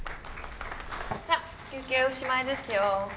さっ休憩おしまいですよ